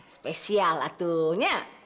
spesial atuh ya